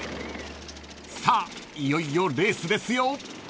［さあいよいよレースですよ］